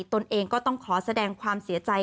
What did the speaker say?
ตนเองก็ต้องขอแสดงความเสียใจ